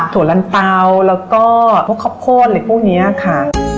ถั่วลันเปาแล้วก็พวกครอบครอบครอบค์พวกนี้ค่ะ